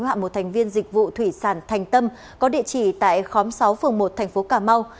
hạ một thành viên dịch vụ thủy sản thành tâm có địa chỉ tại khóm sáu phường một thành phố cà mau